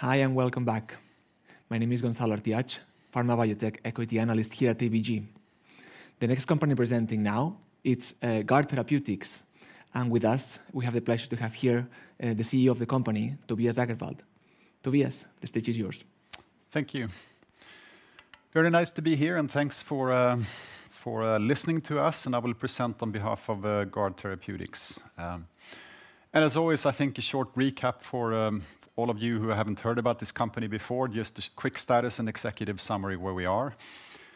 Hi, and welcome back. My name is Gonzalo Artiach, Pharma Biotech Equity Analyst here at ABG. The next company presenting now, it's Guard Therapeutics. And with us, we have the pleasure to have here, the Chief Executive Officer of the company, Tobias Agervald. Tobias, the stage is yours. Thank you. very nice to be here, and thanks for listening to us, and I will present on behalf of Guard Therapeutics. And as always, I think a short recap for all of you who haven't heard about this company before, just a quick status and executive summary where we are.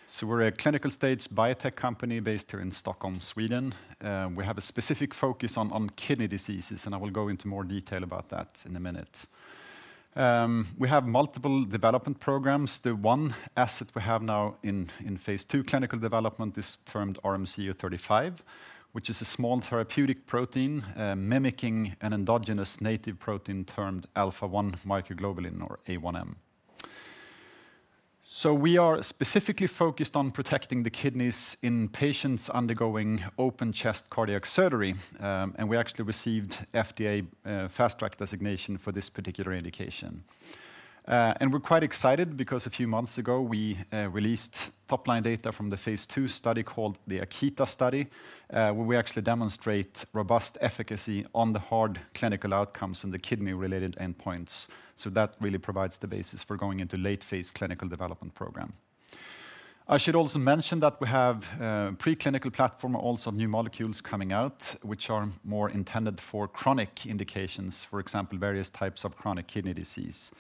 So we're a clinical-stage biotech company based here in Stockholm, Sweden. We have a specific focus on kidney diseases, and I will go into more detail about that in a minute. We have multiple development programs. The one asset we have now in phase II clinical development is termed RMC-035, which is a small therapeutic protein mimicking an endogenous native protein termed alpha-1-microglobulin or A1M. So we are specifically focused on protecting the kidneys in patients undergoing open-chest cardiac surgery, and we actually received FDA Fast Track designation for this particular indication. And we're quite excited because a few months ago, we released top-line data from the phase II study called the AKITA study, where we actually demonstrate robust efficacy on the hard clinical outcomes and the kidney-related endpoints. So that really provides the basis for going into late phase clinical development program. I should also mention that we have preclinical platform, also new molecules coming out, which are more intended for chronic indications, for example, various types of chronic kidney disease.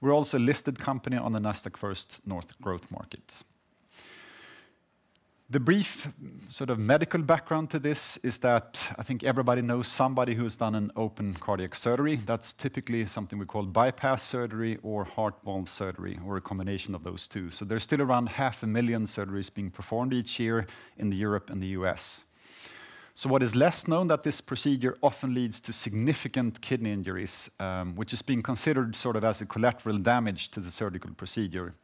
We're also a listed company on the Nasdaq First North Growth Market. The brief sort of medical background to this is that I think everybody knows somebody who's done an open cardiac surgery. That's typically something we call bypass surgery or heart valve surgery, or a combination of those two. There's still around 500,000 surgeries being performed each year in Europe and the U.S. What is less known that this procedure often leads to significant kidney injuries, which is being considered sort of as a collateral damage to the surgical procedure.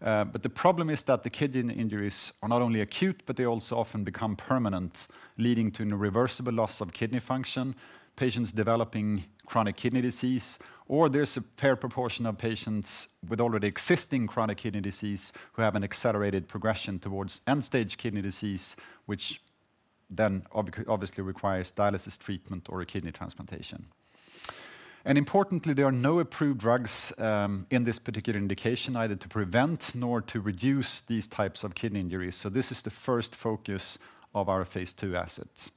But the problem is that the kidney injuries are not only acute, but they also often become permanent, leading to an irreversible loss of kidney function, patients developing chronic kidney disease, or there's a fair proportion of patients with already existing chronic kidney disease who have an accelerated progression towards end-stage kidney disease, which then obviously requires dialysis treatment or a kidney transplantation. Importantly, there are no approved drugs in this particular indication, either to prevent nor to reduce these types of kidney injuries. This is the first focus of our phase II assets.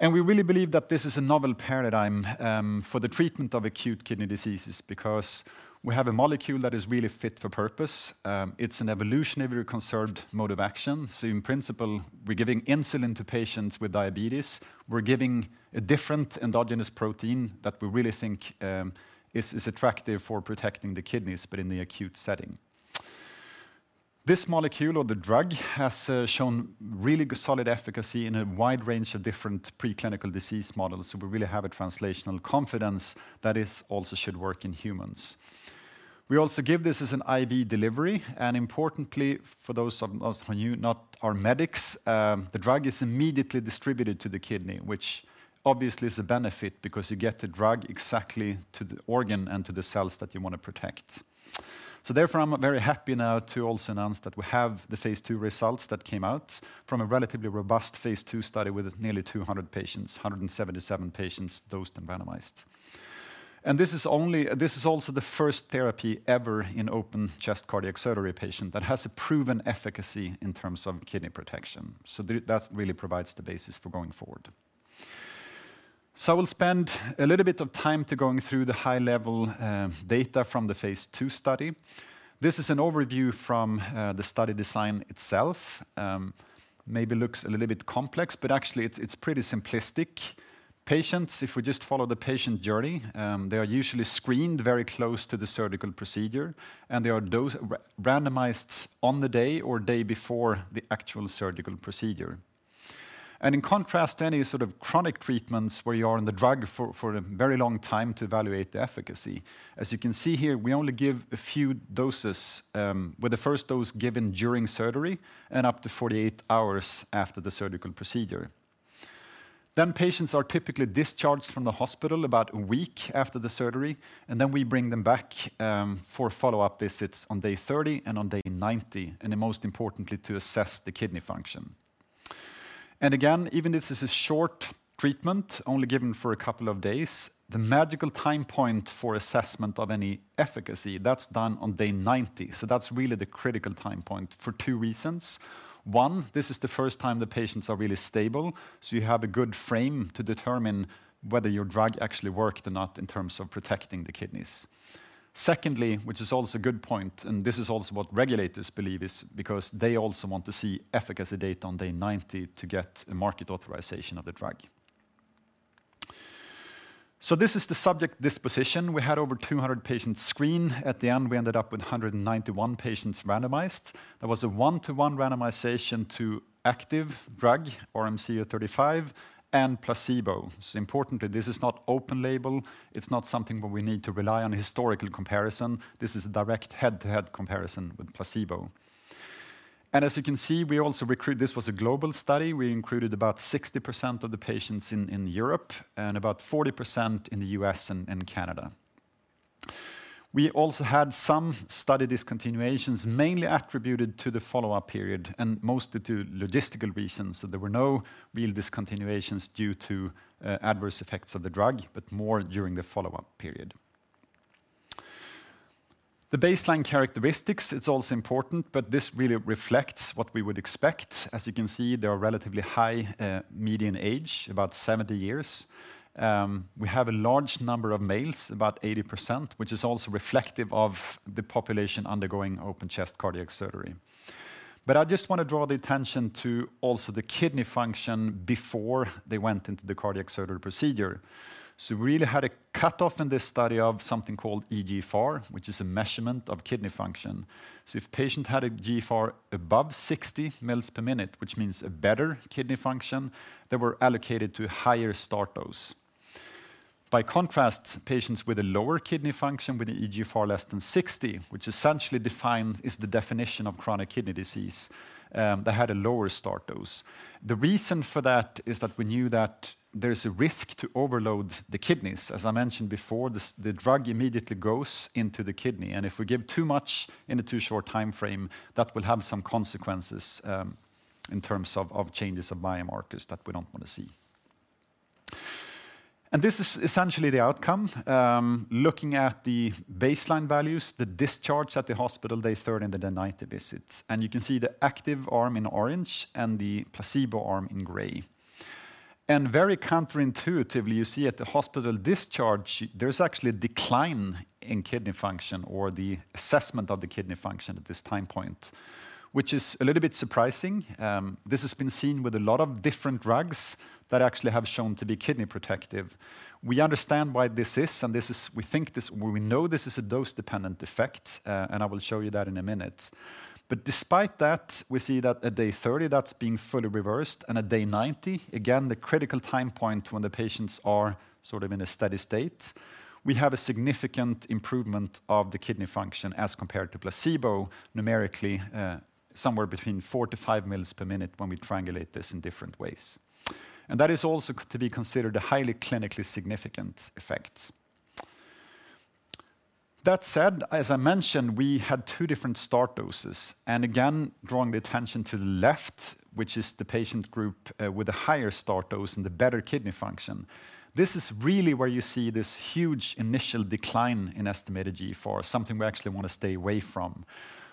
We really believe that this is a novel paradigm for the treatment of acute kidney diseases because we have a molecule that is really fit for purpose. It's an evolutionarily conserved mode of action. In principle, we're giving insulin to patients with diabetes. We're giving a different endogenous protein that we really think is attractive for protecting the kidneys, but in the acute setting. This molecule or the drug has shown really good solid efficacy in a wide range of different preclinical disease models, so we really have a translational confidence that it also should work in humans. We also give this as an IV delivery, and importantly, for those of us, for you, not are medics, the drug is immediately distributed to the kidney, which obviously is a benefit because you get the drug exactly to the organ and to the cells that you want to protect. So therefore, I'm very happy now to also announce that we have the Phase II results that came out from a relatively robust Phase II study with nearly 200 patients, 177 patients, dosed and randomized. And this is also the first therapy ever in open chest cardiac surgery patient that has a proven efficacy in terms of kidney protection. So that really provides the basis for going forward. So I will spend a little bit of time to going through the high-level data from the Phase II study. This is an overview from the study design itself. Maybe looks a little bit complex, but actually it's, it's pretty simplistic. Patients, if we just follow the patient journey, they are usually screened very close to the surgical procedure, and they are randomized on the day or day before the actual surgical procedure. In contrast to any sort of chronic treatments where you are on the drug for, for a very long time to evaluate the efficacy, as you can see here, we only give a few doses, with the first dose given during surgery and up to 48 hours after the surgical procedure. Then, patients are typically discharged from the hospital about a week after the surgery, and then we bring them back for follow-up visits on day 30 and on day 90, and most importantly, to assess the kidney function. And again, even if this is a short treatment, only given for a couple of days, the magical time point for assessment of any efficacy, that's done on day 90. So that's really the critical time point for two reasons. One, this is the first time the patients are really stable, so you have a good frame to determine whether your drug actually worked or not in terms of protecting the kidneys. Secondly, which is also a good point, and this is also what regulators believe is because they also want to see efficacy data on day 90 to get a market authorization of the drug. So this is the subject disposition. We had over 200 patients screened. At the end, we ended up with 191 patients randomized. There was a one-to-one randomization to active drug, RMC-035, and placebo. So importantly, this is not open label. It's not something where we need to rely on a historical comparison. This is a direct head-to-head comparison with placebo. And as you can see, we also recruit, this was a global study. We included about 60% of the patients in Europe and about 40% in the U.S. and Canada. We also had some study discontinuations, mainly attributed to the follow-up period and mostly to logistical reasons. So there were no real discontinuations due to adverse effects of the drug, but more during the follow-up period. The baseline characteristics, it's also important, but this really reflects what we would expect. As you can see, they are relatively high median age, about 70 years. We have a large number of males, about 80%, which is also reflective of the population undergoing open chest cardiac surgery. But I just want to draw the attention to also the kidney function before they went into the cardiac surgery procedure. So we really had a cutoff in this study of something called eGFR, which is a measurement of kidney function. So if patient had an eGFR above 60 mL/min, which means a better kidney function, they were allocated to higher start dose. By contrast, patients with a lower kidney function, with an eGFR less than 60, which essentially is the definition of chronic kidney disease, they had a lower start dose. The reason for that is that we knew that there is a risk to overload the kidneys. As I mentioned before, the drug immediately goes into the kidney, and if we give too much in a too short time frame, that will have some consequences in terms of changes of biomarkers that we don't want to see. And this is essentially the outcome. Looking at the baseline values, the discharge at the hospital, day 30, and the 90 visits. And you can see the active arm in orange and the placebo arm in gray. And very counterintuitively, you see at the hospital discharge, there's actually a decline in kidney function or the assessment of the kidney function at this time point, which is a little bit surprising. This has been seen with a lot of different drugs that actually have shown to be kidney protective. We understand why this is, and this is we think this, well, we know this is a dose-dependent effect, and I will show you that in a minute. But despite that, we see that at day 30, that's being fully reversed, and at day 90, again, the critical time point when the patients are sort of in a steady state, we have a significant improvement of the kidney function as compared to placebo, numerically, somewhere between 4-5 mL/min when we triangulate this in different ways. And that is also to be considered a highly clinically significant effect. That said, as I mentioned, we had two different start doses, and again, drawing the attention to the left, which is the patient group, with a higher start dose and the better kidney function. This is really where you see this huge initial decline in eGFR, something we actually want to stay away from.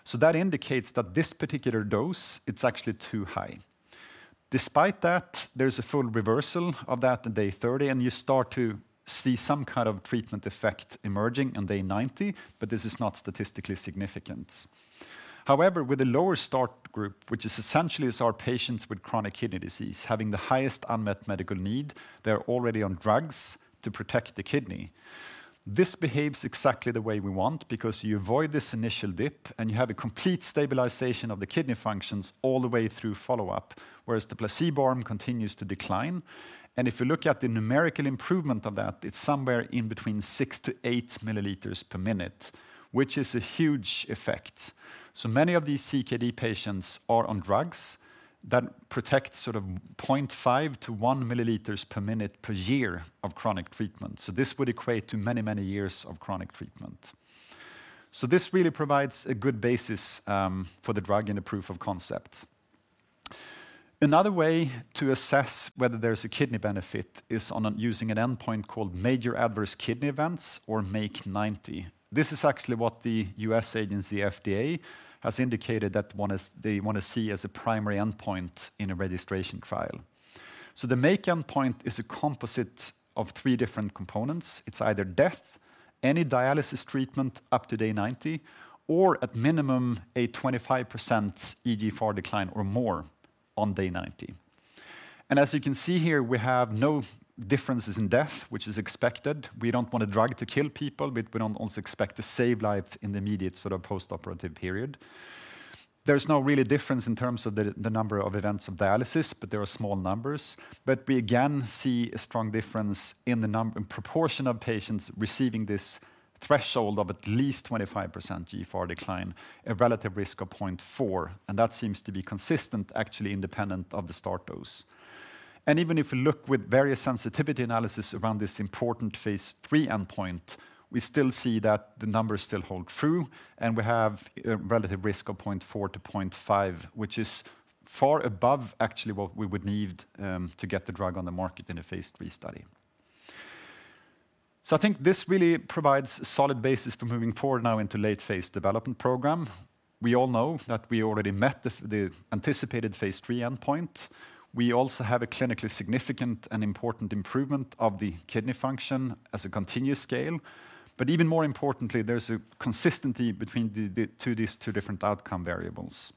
So that indicates that this particular dose, it's actually too high. Despite that, there's a full reversal of that at day 30, and you start to see some kind of treatment effect emerging on day 90, but this is not statistically significant. However, with the lower start group, which is essentially our patients with chronic kidney disease, having the highest unmet medical need, they're already on drugs to protect the kidney. This behaves exactly the way we want because you avoid this initial dip, and you have a complete stabilization of the kidney functions all the way through follow-up, whereas the placebo arm continues to decline. If you look at the numerical improvement of that, it's somewhere in between 6-8 milliliters per minute, which is a huge effect. So many of these CKD patients are on drugs that protect sort of 0.5-1 milliliters per minute per year of chronic treatment. So this would equate to many, many years of chronic treatment. So this really provides a good basis for the drug and the proof of concept. Another way to assess whether there's a kidney benefit is using an endpoint called Major Adverse Kidney Events, or MAKE-90. This is actually what the U.S. agency, FDA, has indicated they want to see as a primary endpoint in a registration trial. So the MAKE endpoint is a composite of three different components. It's either death, any dialysis treatment up to day 90, or at minimum, a 25% eGFR decline or more on day 90. And as you can see here, we have no differences in death, which is expected. We don't want a drug to kill people, but we don't also expect to save life in the immediate sort of postoperative period. There's no really difference in terms of the number of events of dialysis, but there are small numbers. But we again see a strong difference in the proportion of patients receiving this threshold of at least 25% eGFR decline, a relative risk of 0.4, and that seems to be consistent, actually independent of the start dose. Even if you look with various sensitivity analysis around this important phase III endpoint, we still see that the numbers still hold true, and we have a relative risk of 0.4-0.5, which is far above actually what we would need to get the drug on the market in a phase III study. I think this really provides a solid basis for moving forward now into late phase development program. We all know that we already met the anticipated phase III endpoint. We also have a clinically significant and important improvement of the kidney function as a continuous scale. Even more importantly, there's a consistency between these two different outcome variables.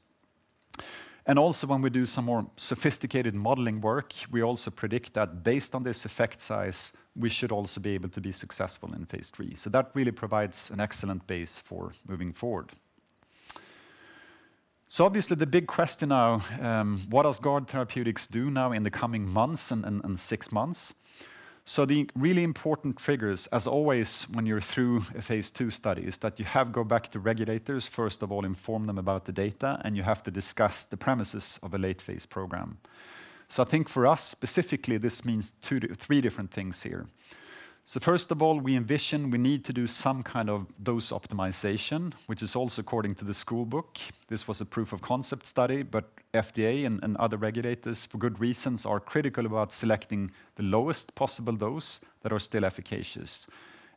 And also, when we do some more sophisticated modeling work, we also predict that based on this effect size, we should also be able to be successful in Phase III. So that really provides an excellent base for moving forward. So obviously, the big question now is what does Guard Therapeutics do now in the coming months and six months? So the really important triggers, as always, when you're through a phase II study, is that you have to go back to regulators, first of all, inform them about the data, and you have to discuss the premises of a late phase program. So I think for us, specifically, this means three different things here. So first of all, we envision we need to do some kind of dose optimization, which is also according to the school book. This was a proof of concept study, but FDA and, and other regulators, for good reasons, are critical about selecting the lowest possible dose that are still efficacious.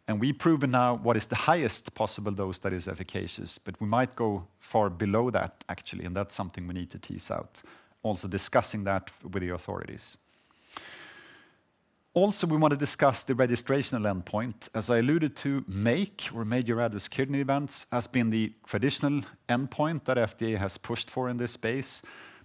And we've proven now what is the highest possible dose that is efficacious, but we might go far below that, actually, and that's something we need to tease out. Also discussing that with the authorities. Also, we want to discuss the registrational endpoint. As I alluded to, MAKE, or major adverse kidney events, has been the traditional endpoint that FDA has pushed for in this space,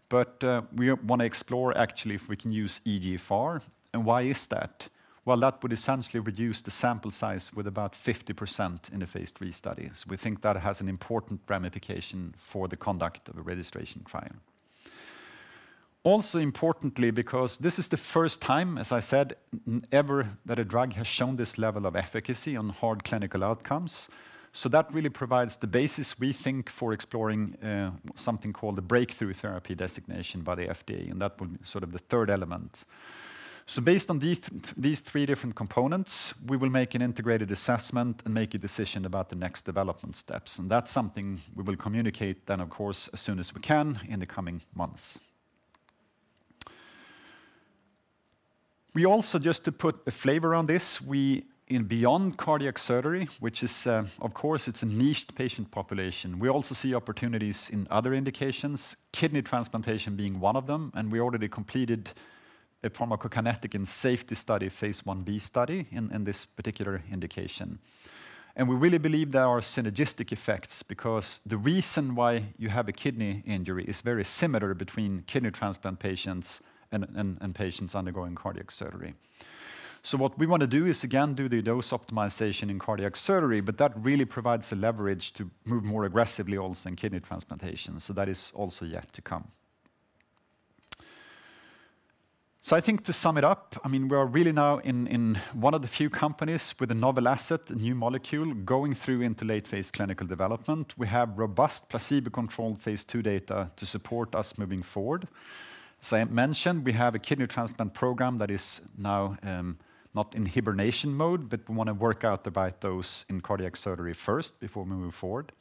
but, we want to explore, actually, if we can use eGFR. And why is that? Well, that would essentially reduce the sample size with about 50% in the phase III studies. We think that has an important ramification for the conduct of a registration trial. Also importantly, because this is the first time, as I said, ever, that a drug has shown this level of efficacy on hard clinical outcomes. So that really provides the basis, we think, for exploring something called a Breakthrough Therapy Designation by the FDA, and that would be sort of the third element. So based on these, these three different components, we will make an integrated assessment and make a decision about the next development steps, and that's something we will communicate then, of course, as soon as we can in the coming months. We also, just to put a flavor on this, we in beyond cardiac surgery, which is, of course, it's a niche patient population. We also see opportunities in other indications, kidney transplantation being one of them, and we already completed a pharmacokinetic and safety study, phase I-B study, in, in this particular indication. And we really believe there are synergistic effects because the reason why you have a kidney injury is very similar between kidney transplant patients and patients undergoing cardiac surgery. So what we want to do is, again, do the dose optimization in cardiac surgery, but that really provides a leverage to move more aggressively also in kidney transplantation. So that is also yet to come. So I think to sum it up, I mean, we are really now in one of the few companies with a novel asset, a new molecule, going through into late phase clinical development. We have robust, placebo-controlled phase II data to support us moving forward. As I mentioned, we have a kidney transplant program that is now not in hibernation mode, but we want to work out the right dose in cardiac surgery first before we move forward.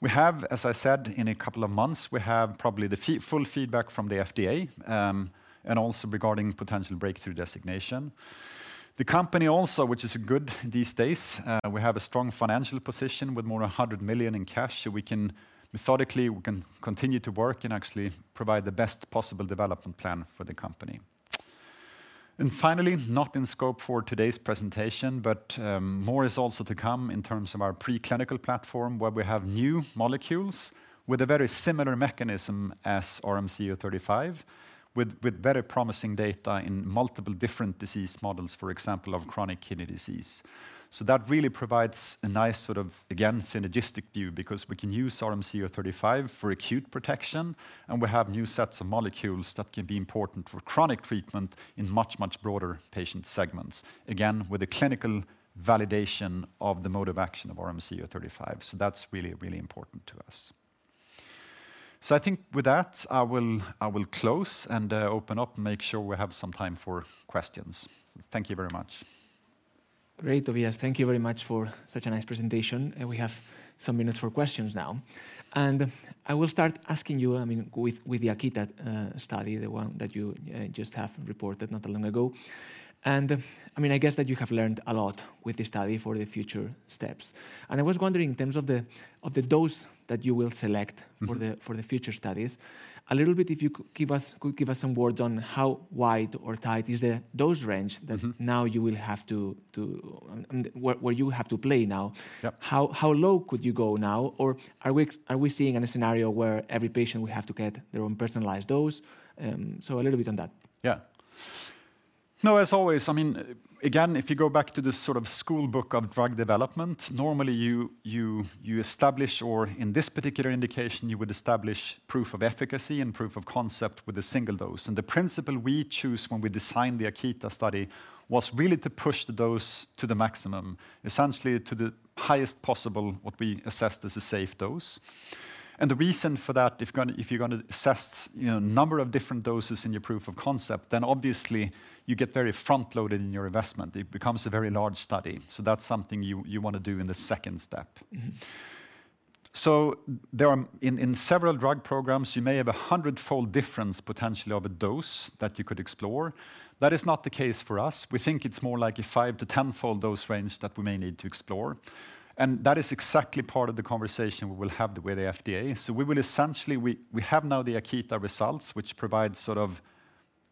We have, as I said, in a couple of months, we have probably the full feedback from the FDA, and also regarding potential breakthrough designation. The company also, which is good these days, we have a strong financial position with more than 100 million in cash, so we can methodically, we can continue to work and actually provide the best possible development plan for the company. And finally, not in scope for today's presentation, but, more is also to come in terms of our preclinical platform, where we have new molecules with a very similar mechanism as RMC-035, with very promising data in multiple different disease models, for example, of chronic kidney disease. So that really provides a nice sort of, again, synergistic view, because we can use RMC-035 for acute protection, and we have new sets of molecules that can be important for chronic treatment in much, much broader patient segments. Again, with the clinical validation of the mode of action of RMC-035. So that's really, really important to us. So I think with that, I will, I will close and open up and make sure we have some time for questions. Thank you very much. Great, Tobias. Thank you very much for such a nice presentation, and we have some minutes for questions now. And I will start asking you, I mean, with the AKITA study, the one that you just have reported not long ago. And, I mean, I guess that you have learned a lot with the study for the future steps. And I was wondering in terms of the dose that you will select for the future studies, a little bit, if you could give us some words on how wide or tight is the dose range?that now you will have to, and where you have to play now. Yep. How, how low could you go now? Or are we seeing any scenario where every patient will have to get their own personalized dose? So a little bit on that. Yeah. No, as always, I mean, again, if you go back to the sort of school book of drug development, normally, you establish, or in this particular indication, you would establish proof of efficacy and proof of concept with a single dose. And the principle we choose when we designed the AKITA study was really to push the dose to the maximum, essentially to the highest possible, what we assessed as a safe dose. And the reason for that, if you're gonna assess, you know, a number of different doses in your proof of concept, then obviously, you get very front-loaded in your investment. It becomes a very large study, so that's something you want to do in the second step. So there are... In several drug programs, you may have a hundredfold difference, potentially, of a dose that you could explore. That is not the case for us. We think it's more like a five to tenfold dose range that we may need to explore. And that is exactly part of the conversation we will have with the FDA. So we will essentially, we have now the AKITA results, which provide sort of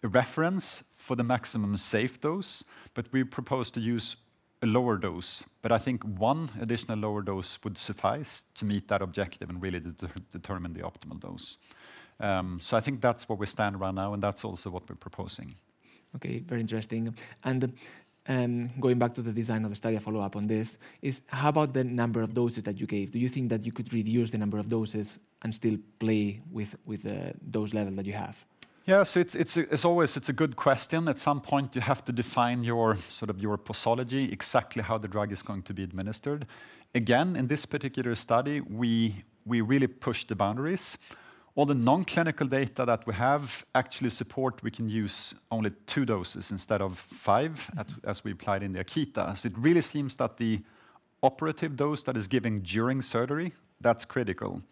a reference for the maximum safe dose, but we propose to use a lower dose. But I think one additional lower dose would suffice to meet that objective and really determine the optimal dose. So I think that's where we stand right now, and that's also what we're proposing. Okay, very interesting. And, and going back to the design of the study, a follow-up on this, is how about the number of doses that you gave? Do you think that you could reduce the number of doses and still play with, with, dose level that you have? Yes, it's, as always, it's a good question. At some point, you have to define your sort of your posology, exactly how the drug is going to be administered. Again, in this particular study, we really pushed the boundaries. All the non-clinical data that we have actually support we can use only two doses instead of five. That, as we applied in the AKITA. So it really seems that the operative dose that is given during surgery, that's critical,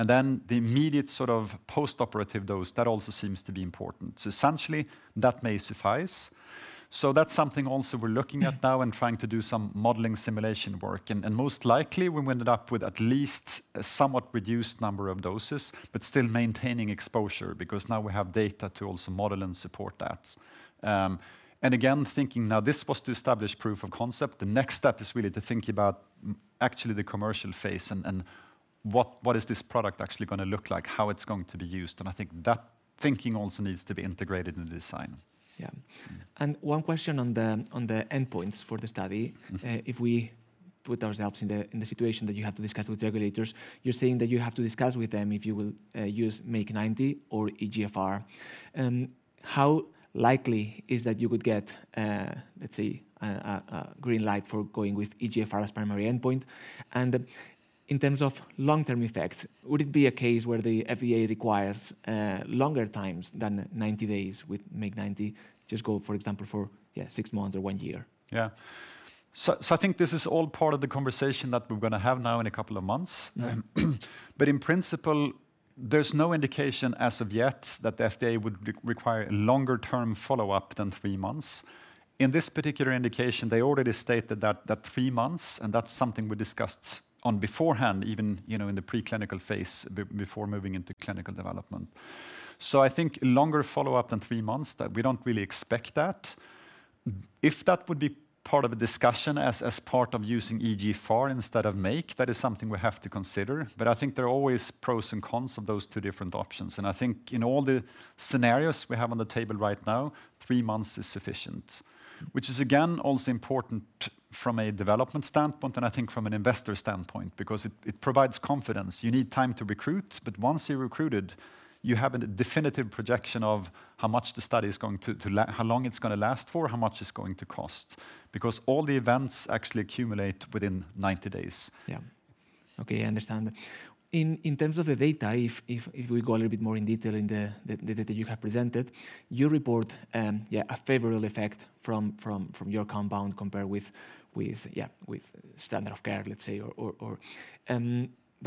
and then the immediate sort of post-operative dose, that also seems to be important. So essentially, that may suffice. So that's something also we're looking at now and trying to do some modeling simulation work. And most likely, we will end up with at least a somewhat reduced number of doses, but still maintaining exposure, because now we have data to also model and support that. And again, thinking now, this was to establish proof of concept. The next step is really to think about actually the commercial phase and what this product actually gonna look like? How it's going to be used, and I think that thinking also needs to be integrated in the design. Yeah. And one question on the endpoints for the study? If we put ourselves in the situation that you have to discuss with regulators, you're saying that you have to discuss with them if you will use MAKE-90 or eGFR. And how likely is that you would get, let's say, a green light for going with eGFR as primary endpoint? And in terms of long-term effects, would it be a case where the FDA requires longer times than 90 days with MAKE-90, for example, for six months or one year? Yeah. So, so I think this is all part of the conversation that we're gonna have now in a couple of months. Yeah. But in principle, there's no indication as of yet that the FDA would require a longer-term follow-up than three months. In this particular indication, they already stated that three months, and that's something we discussed on beforehand, even, you know, in the preclinical phase, before moving into clinical development. So I think a longer follow-up than three months, that we don't really expect that. If that would be part of the discussion as part of using eGFR instead of MAKE, that is something we have to consider. But I think there are always pros and cons of those two different options, and I think in all the scenarios we have on the table right now, three months is sufficient. Which is, again, also important from a development standpoint, and I think from an investor standpoint, because it, it provides confidence. You need time to recruit, but once you're recruited, you have a definitive projection of how much the study is going to, how long it's gonna last for, how much it's going to cost. Because all the events actually accumulate within 90 days. Yeah. Okay, I understand. In terms of the data, if we go a little bit more in detail in the data you have presented, you report yeah, a favorable effect from your compound compared with yeah, with standard of care, let's say, or...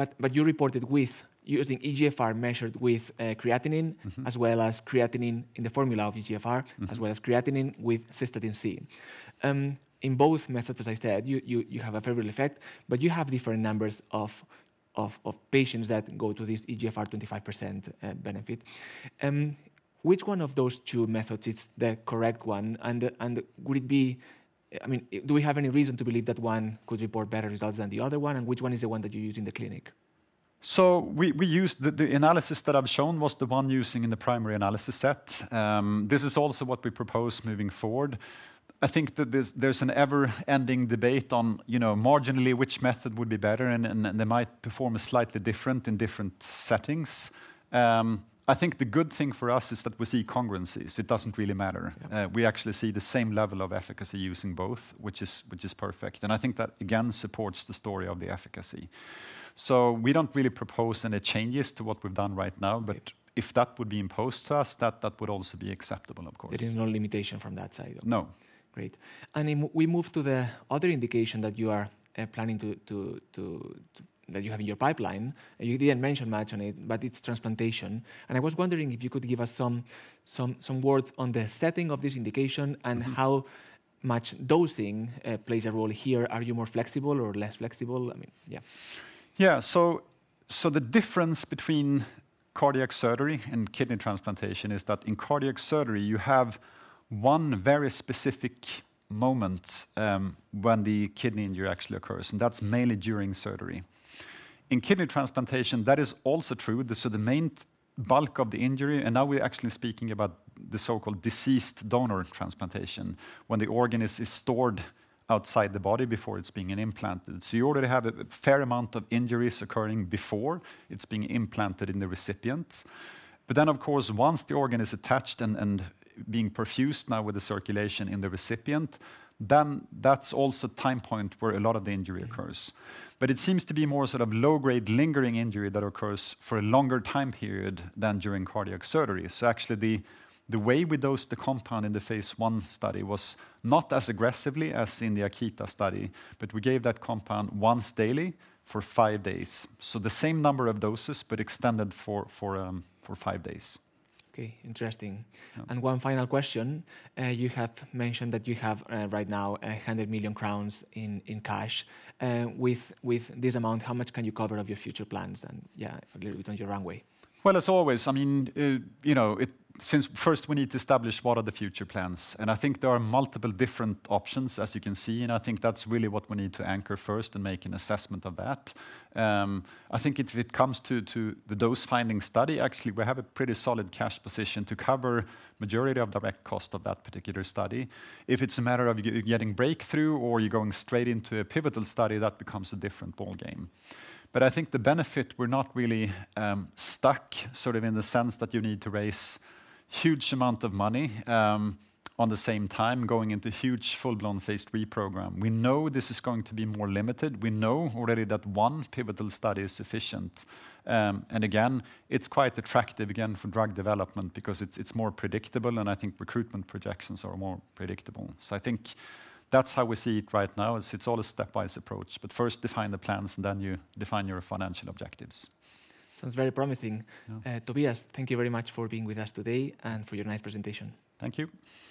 But you reported with using eGFR measured with creatinine- as well as creatinine in the formula of eGFR-As well as creatinine with cystatin C. In both methods, as I said, you have a favorable effect, but you have different numbers of patients that go to this eGFR 25%, benefit. Which one of those two methods is the correct one? And would it be... I mean, do we have any reason to believe that one could report better results than the other one, and which one is the one that you use in the clinic? So we used the analysis that I've shown was the one using in the primary analysis set. This is also what we propose moving forward. I think that there's an ever-ending debate on, you know, marginally, which method would be better, and they might perform a slightly different in different settings. I think the good thing for us is that we see congruencies. It doesn't really matter. Yeah. We actually see the same level of efficacy using both, which is perfect. I think that, again, supports the story of the efficacy. We don't really propose any changes to what we've done right now, but- Right... if that would be imposed to us, that would also be acceptable, of course. There is no limitation from that side? No. Great. And then we move to the other indication that you are planning to... That you have in your pipeline. And you didn't mention much on it, but it's transplantation. And I was wondering if you could give us some words on the setting of this indication? and how much dosing plays a role here. Are you more flexible or less flexible? I mean, yeah. Yeah. So the difference between cardiac surgery and kidney transplantation is that in cardiac surgery, you have one very specific moment when the kidney injury actually occurs, and that's mainly during surgery. In kidney transplantation, that is also true. So the main bulk of the injury, and now we're actually speaking about the so-called deceased donor transplantation, when the organ is stored outside the body before it's being implanted. So you already have a fair amount of injuries occurring before it's being implanted in the recipient. But then, of course, once the organ is attached and being perfused now with the circulation in the recipient, then that's also time point where a lot of the injury occurs. Yeah. But it seems to be more sort of low-grade, lingering injury that occurs for a longer time period than during cardiac surgery. So actually, the way we dosed the compound in the phase I study was not as aggressively as in the AKITA study, but we gave that compound once daily for five days. So the same number of doses, but extended for five days. Okay, interesting. Yeah. One final question. You have mentioned that you have right now 100 million crowns in cash. With this amount, how much can you cover of your future plans, and yeah, a little bit on your runway? Well, as always, I mean, you know, since first we need to establish what are the future plans, and I think there are multiple different options, as you can see, and I think that's really what we need to anchor first and make an assessment of that. I think if it comes to the dose-finding study, actually, we have a pretty solid cash position to cover majority of direct cost of that particular study. If it's a matter of getting breakthrough or you're going straight into a pivotal study, that becomes a different ball game. But I think the benefit, we're not really stuck, sort of in the sense that you need to raise huge amount of money, on the same time going into huge, full-blown phase III program. We know this is going to be more limited. We know already that one pivotal study is sufficient. And again, it's quite attractive again for drug development because it's more predictable, and I think recruitment projections are more predictable. So I think that's how we see it right now, is it's all a stepwise approach, but first define the plans, and then you define your financial objectives. Sounds very promising. Yeah. Tobias, thank you very much for being with us today and for your nice presentation. Thank you.